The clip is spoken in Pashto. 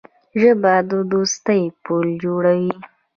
ژبه د دوستۍ پُل جوړوي